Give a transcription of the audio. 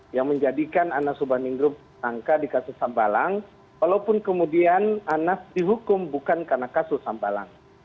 yang menjadikan anas subhaningrum tangka di kasus hembalang walaupun kemudian anas dihukum bukan karena kasus hembalang